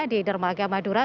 di dermaga madura